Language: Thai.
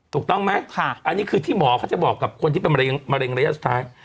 ถูกต้องไหมอันนี้คือที่หมอเขาจะบอกกับคนที่เป็นมะเร็งระยะสุดท้าย